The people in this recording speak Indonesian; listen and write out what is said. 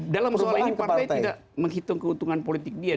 dalam soal ini partai tidak menghitung keuntungan politiknya